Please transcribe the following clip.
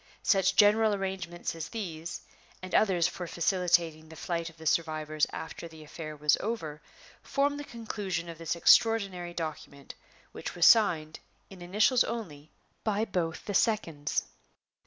Such general arrangements as these, and others for facilitating the flight of the survivors after the affair was over, formed the conclusion of this extraordinary document, which was signed, in initials only, by both the seconds.